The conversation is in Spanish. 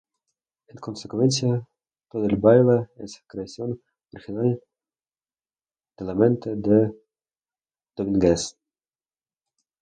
En consecuencia, todo en el baile es creación original de la mente de Domínguez.